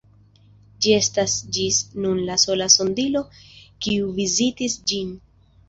Ĝi estas ĝis nun la sola sondilo, kiu vizitis ĝin.